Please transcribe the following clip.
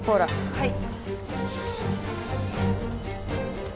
はい。